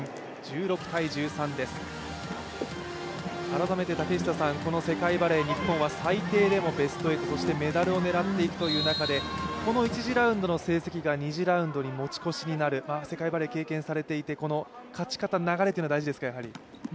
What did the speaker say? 改めて、世界バレー日本は最低でもベスト８、メダルを狙っていくという中でこの１次ラウンドの成績が２次ラウンドに持ち越しになる、世界バレー経験されていてこの勝ち方、流れが大切ですか？